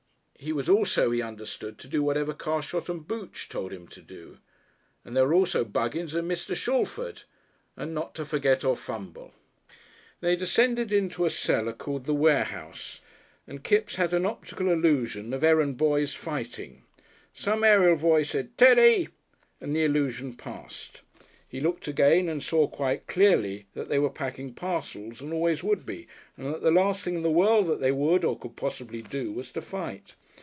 He was also, he understood, to do whatever Carshot and Booch told him to do. And there were also Buggins and Mr. Shalford. And not to forget or fumble! They descended into a cellar called "The Warehouse," and Kipps had an optical illusion of errand boys fighting. Some aerial voice said, "Teddy!" and the illusion passed. He looked again, and saw quite clearly that they were packing parcels and always would be, and that the last thing in the world that they would or could possibly do was to fight.